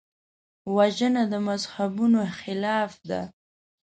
وژنه د مذهبونو خلاف ده